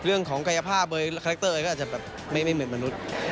เรื่องของกายภาพคาแรคเตอร์ก็แบบไม่เหมือนมนุษย์